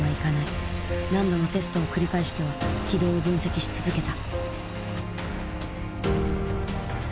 何度もテストを繰り返しては軌道を分析し続けた。